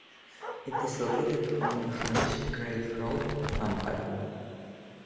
It is located on Maharishi Karve Road, Mumbai.